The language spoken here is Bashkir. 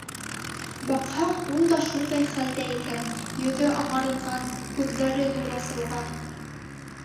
Баҡһаң, ул да шундай хәлдә икән: йөҙө ағарынған, күҙҙәре ҙур асылған...